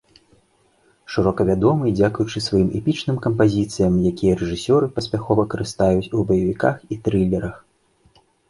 Шырока вядомы дзякуючы сваім эпічным кампазіцыям, якія рэжысёры паспяхова карыстаюць у баевіках і трылерах.